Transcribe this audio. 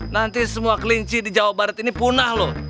nanti semua kelinci di jawa barat ini punah loh